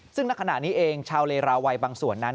ซึ่งณขณะนี้เองชาวเลราวัยบางส่วนนั้น